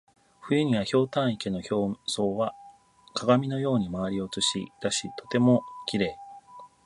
冬には、ひょうたん池の表層は鏡のように周りを写し出しとてもきれい。